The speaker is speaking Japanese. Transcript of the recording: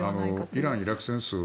イラン・イラク戦争